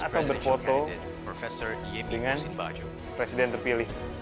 atau berfoto dengan presiden terpilih